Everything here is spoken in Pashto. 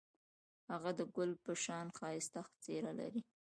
هغه د ګل په شان ښایسته څېره لري.